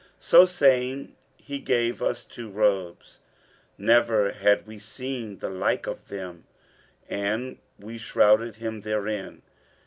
So saying, he gave us two robes, never had we seen the like of them, and we shrouded him therein.